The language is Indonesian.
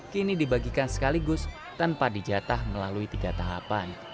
kini dibagikan sekaligus tanpa dijatah melalui tiga tahapan